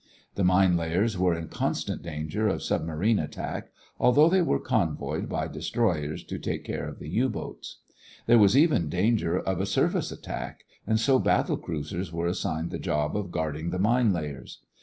The mine layers were in constant danger of submarine attack, although they were convoyed by destroyers to take care of the U boats. There was even danger of a surface attack and so battle cruisers were assigned the job of guarding the mine layers.